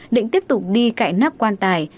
định tiếp tục đi cạnh nắp quan tài